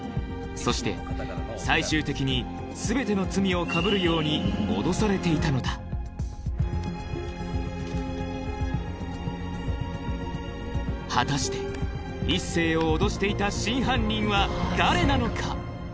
そして最終的に全ての罪をかぶるように脅されていたのだ果たして一星を脅していた真犯人は誰なのか？